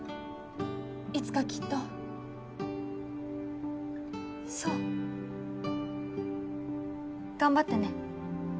いつかきっとそう頑張ってね